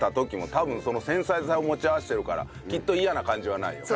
多分繊細さを持ち合わせてるからきっと嫌な感じはないよ。